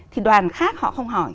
thì đoàn khác họ không hỏi